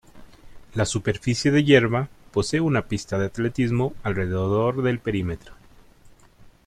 La superficie de hierba posee una pista de atletismo alrededor del perímetro.